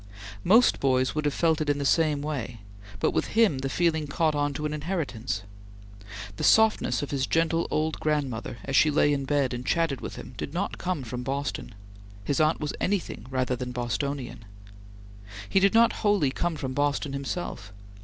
Most boys would have felt it in the same way, but with him the feeling caught on to an inheritance. The softness of his gentle old grandmother as she lay in bed and chatted with him, did not come from Boston. His aunt was anything rather than Bostonian. He did not wholly come from Boston himself.